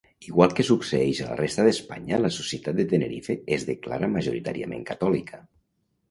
Igual que succeeix a la resta d'Espanya, la societat de Tenerife es declara majoritàriament catòlica.